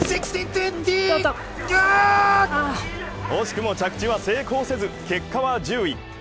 惜しくも着地は成功せず、結果は１０位。